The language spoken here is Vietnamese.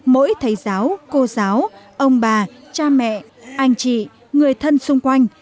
mỗi thầy giáo cô giáo ông bà cha mẹ anh chị người thân xung quanh